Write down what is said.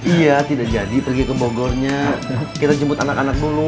iya tidak jadi pergi ke bogornya kita jemput anak anak dulu